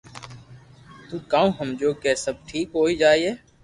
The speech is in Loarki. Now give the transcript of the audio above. ٿي ڪاوُ ھمجيو ڪي سب ٺيڪ ھوئي جائي